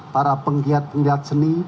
para penggiat penggiat seni